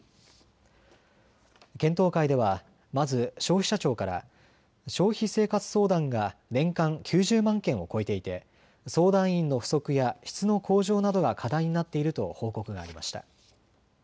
検討会では、まず消費者庁から消費生活相談が年間９０万件を超えていて相談員の不足や質の向上などが課題になっていると報告がありました。